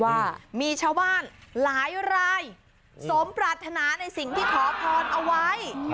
ว่ามีชาวบ้านหลายรายสมปรารถนาในสิ่งที่ขอพรเอาไว้